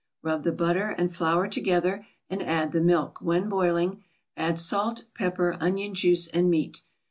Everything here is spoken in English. Rub the butter and flour together, and add the milk; when boiling, add salt, pepper, onion juice and meat.